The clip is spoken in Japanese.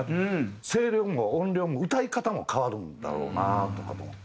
声量も音量も歌い方も変わるんだろうなとか思った。